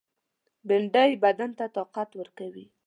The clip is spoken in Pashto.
بېنډۍ بدن ته طاقت ورکوي